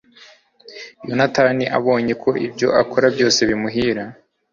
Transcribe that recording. yonatani abonye ko ibyo akora byose bimuhira